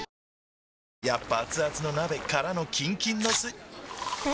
やっぱアツアツの鍋からのキンキンのスん？